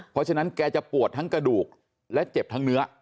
เพราะฉะนั้นแกจะปวดทั้งกระดูกและเจ็บทั้งเนื้อ